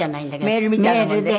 メールみたいなもので？